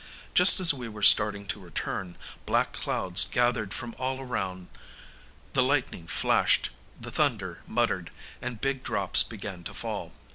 Just as we were starting to return, black clouds gathered from all around; the lightning flashed, the thunder muttered, and big drops began to fall.